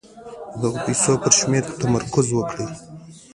د دغو پيسو پر شمېر تمرکز وکړئ.